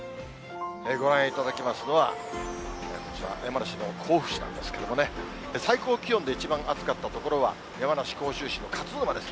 ご覧いただきますのは、こちら、山梨の甲府市なんですけれどもね、最高気温で一番暑かった所は山梨・甲州市の勝沼です。